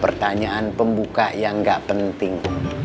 pertanyaan pembuka yang gak penting